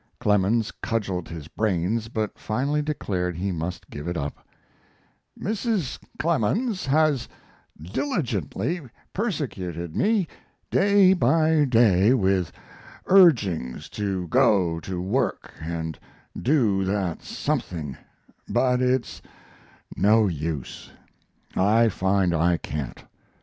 Clemens cudgeled his brains, but finally declared he must give it up: Mrs. Clemens has diligently persecuted me day by day with urgings to go to work and do that something, but it's no use. I find I can't.